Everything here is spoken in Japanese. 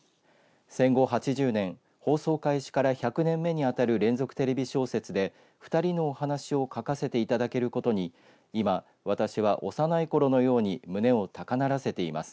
戦後８０年放送開始から１００年目にあたる連続テレビ小説で２人のお話を書かせていただけることに今、私は幼いころのように胸を高鳴らせています。